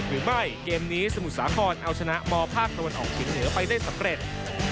เจ็บหรือไม่เกมนี้สมุทรสาครเอาชนะบภาคละวันออกถิ่นเหนือไปได้สำเร็จ